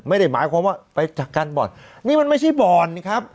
ไม่ได้หมายความว่าไปจากการบ่อนนี่มันไม่ใช่บ่อนครับ